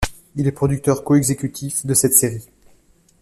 Il est producteur co-exécutif de cette série.